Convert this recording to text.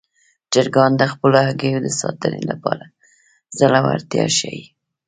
چرګان د خپلو هګیو د ساتنې لپاره زړورتیا ښيي.